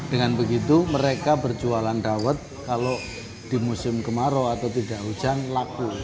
dengan begitu mereka berjualan dawet kalau di musim kemarau atau tidak hujan laku